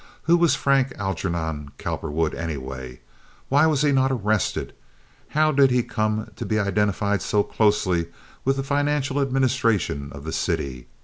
Who was Frank Algernon Cowperwood, anyway? Why was he not arrested? How did he come to be identified so closely with the financial administration of the city?